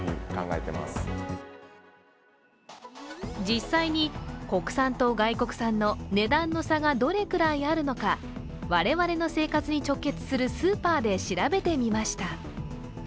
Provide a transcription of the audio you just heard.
実際に国産と外国産の値段の差がどれくらいあるのか我々の生活に直結するスーパーで調べてみました。